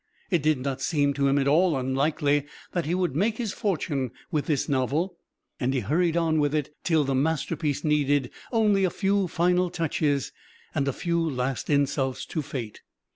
It did not seem to him at all unlikely that he would make his fortune with this novel; and he hurried on with it, till the masterpiece needed only a few final touches and a few last insults to Fate.